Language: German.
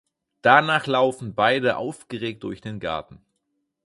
Danach laufen beide aufgeregt durch den Garten.